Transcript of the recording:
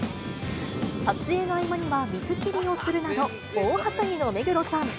撮影の合間には水切りをするなど、大はしゃぎの目黒さん。